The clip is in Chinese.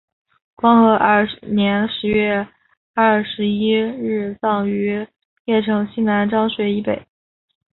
兴和二年十月廿一日葬于邺城西面漳水以北。